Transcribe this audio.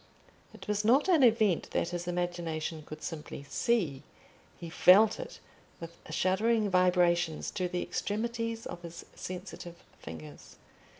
It was not an event that his imagination could simply see: he felt it with shuddering vibrations to the extremities of his sensitive fingers.